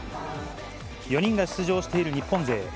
４人が出場している日本勢。